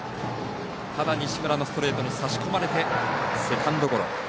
ただ、西村のストレートにさし込まれてセカンドゴロ。